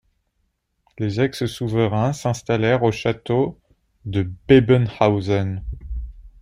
Les ex-souverains s'installèrent au Château de Bebenhausen.